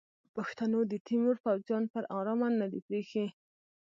پښتنو د تیمور پوځیان پر ارامه نه دي پریښي.